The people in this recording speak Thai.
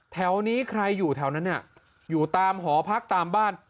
แถวนี้ใครอยู่แถวนั้นเนี่ยอยู่ตามหอพักตามบ้าน